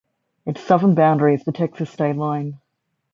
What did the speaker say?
Its southern boundary is the Texas state line.